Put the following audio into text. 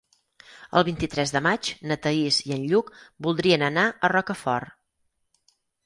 El vint-i-tres de maig na Thaís i en Lluc voldrien anar a Rocafort.